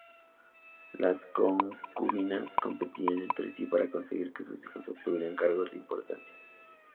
Las concubinas competían entre sí para conseguir que sus hijos obtuvieran cargos de importancia.